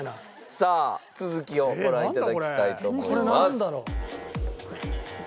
さあ続きをご覧頂きたいと思います。